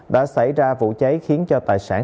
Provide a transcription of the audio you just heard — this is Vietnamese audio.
đã xảy ra vụ cháy khiến cho tài sản